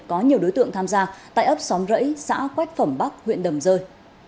có nhiều đối tượng tham gia tại ấp xóm rẫy xã quách phẩm bắc huyện đầm rơi